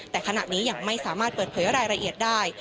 แต่ขณะนี้ยังไม่สามารถเปิดเผยรายละเอียดได้